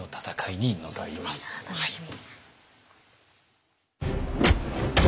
楽しみ。